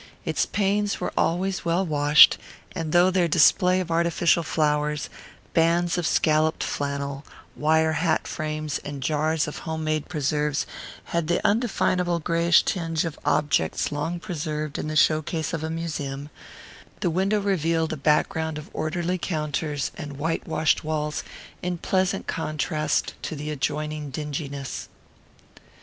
Its panes were always well washed, and though their display of artificial flowers, bands of scalloped flannel, wire hat frames, and jars of home made preserves, had the undefinable greyish tinge of objects long preserved in the show case of a museum, the window revealed a background of orderly counters and white washed walls in pleasant contrast to the adjoining dinginess.